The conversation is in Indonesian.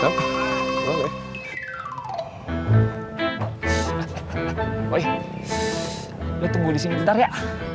poi lo tunggu disini bentar ya